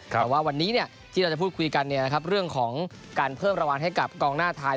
แต่ว่าวันนี้ที่เราจะพูดคุยกันเรื่องของการเพิ่มรางวัลให้กับกองหน้าไทย